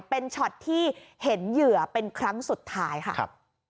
เป็นช็อตที่เห็นเหยื่อเป็นครั้งสุดท้ายค่ะ